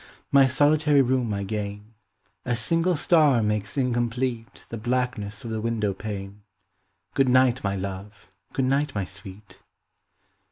My solitary room I gain. A single star makes incomplete The blackness of the window pane. Good night, my love! good night, my sweet!